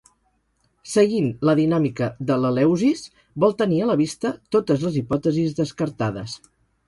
Seguint la dinàmica de l'Eleusis, vol tenir a la vista totes les hipòtesis descartades.